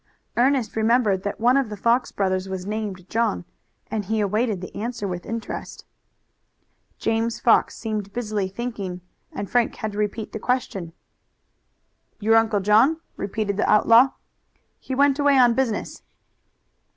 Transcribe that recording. Ernest remembered that one of the Fox brothers was named John, and he awaited the answer with interest. James Fox seemed busily thinking and Frank had to repeat the question. "Your Uncle John?" repeated the outlaw. "He went away on business."